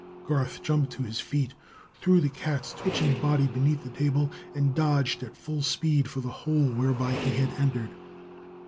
Garth jumped to his feet, threw the cat's twitching body beneath the table, and dodged at full speed for the hole whereby he had entered.